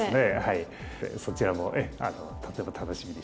そちらもとても楽しみにしてます。